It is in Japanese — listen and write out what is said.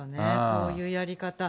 こういうやり方。